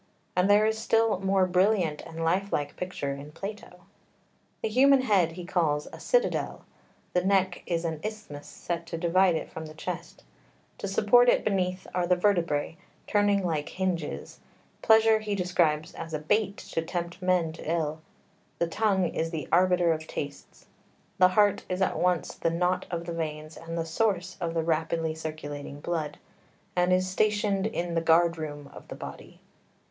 And there is a still more brilliant and life like picture in Plato. The human head he calls a citadel; the neck is an isthmus set to divide it from the chest; to support it beneath are the vertebrae, turning like hinges; pleasure he describes as a bait to tempt men to ill; the tongue is the arbiter of tastes. The heart is at once the knot of the veins and the source of the rapidly circulating blood, and is stationed in the guard room of the body.